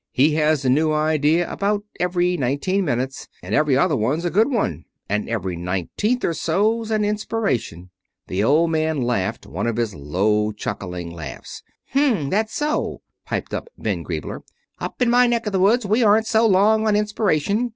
He has a new idea about every nineteen minutes, and every other one's a good one, and every nineteenth or so's an inspiration." The Old Man laughed one of his low, chuckling laughs. "Hm that so?" piped Ben Griebler. "Up in my neck of the woods we aren't so long on inspiration.